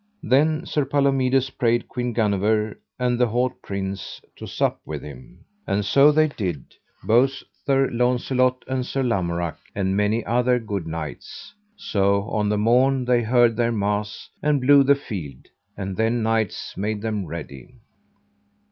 Then Sir Palomides prayed Queen Guenever and the haut prince to sup with him. And so they did, both Sir Launcelot and Sir Lamorak, and many other good knights. So on the morn they heard their mass, and blew the field, and then knights made them ready.